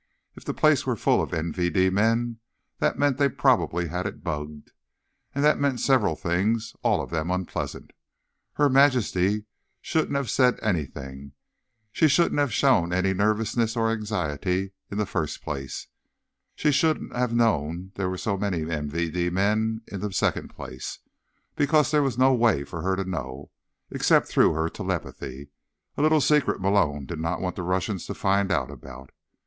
If the place were full of MVD men, that meant they probably had it bugged. And that meant several things, all of them unpleasant. Her Majesty shouldn't have said anything—she shouldn't have shown any nervousness or anxiety in the first place, she shouldn't have known there were so many MVD men in the second place—because there was no way for her to know, except through her telepathy, a little secret Malone did not want the Russians to find out about.